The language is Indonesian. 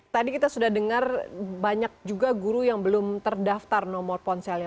tadi kita sudah dengar banyak juga guru yang belum terdaftar nomor ponselnya